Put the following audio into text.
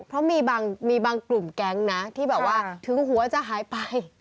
เพราะมีบางกลุ่มแก๊งนะที่แบบว่าถึงหัวจะหายไป